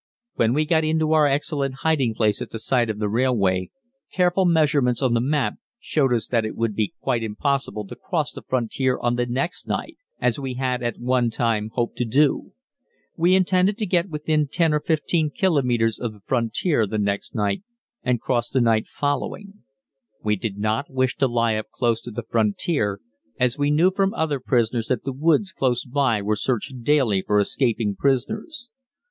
When we got into our excellent hiding place at the side of the railway, careful measurements on the map showed us that it would be quite impossible to cross the frontier on the next night, as we had at one time hoped to do. We intended to get within 10 or 15 kilometres of the frontier the next night, and cross the night following. We did not wish to lie up close to the frontier, as we knew from other prisoners that the woods close by were searched daily for escaping prisoners.